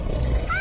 あ！